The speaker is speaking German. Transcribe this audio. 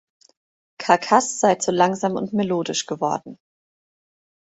Carcass sei zu langsam und melodisch geworden.